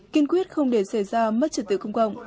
kiên quyết không để xảy ra mất trật tự công cộng